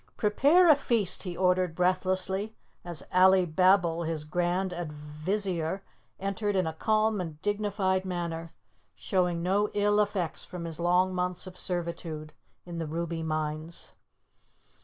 "Prepare a feast," he ordered breathlessly, as Alibabble, his Grand Advizier, entered in a calm and dignified manner, showing no ill effects from his long months of servitude in the ruby mines.